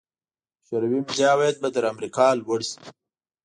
د شوروي ملي عواید به تر امریکا لوړ شي.